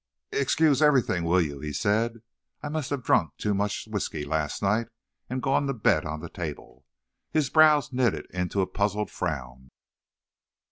"Ex excuse—everything, will you?" he said. "I must have drunk too much whiskey last night, and gone to bed on the table." His brows knitted into a puzzled frown.